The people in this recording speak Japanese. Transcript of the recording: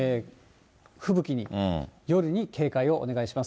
吹雪に、夜に警戒をお願いします。